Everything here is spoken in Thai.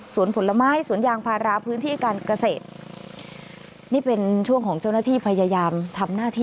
ส่วนผลไม้สวนยางพาราพื้นที่การเกษตรนี่เป็นช่วงของเจ้าหน้าที่พยายามทำหน้าที่